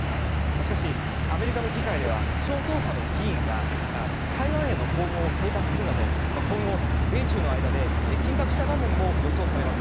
しかし、アメリカの議会では超党派の議員が台湾への訪問を計画するなど今後、米中の間で緊迫した場面も予想されます。